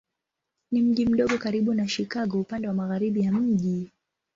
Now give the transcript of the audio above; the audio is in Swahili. Ni mji mdogo karibu na Chicago upande wa magharibi ya mji.